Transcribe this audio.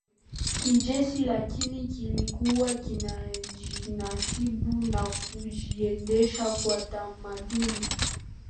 kijeshi lakini kilikuwa kinajinasibu na kujiendesha kwa tamaduni